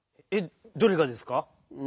えっどれがですか？